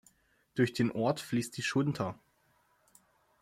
Durch den Ort fließt die Schunter.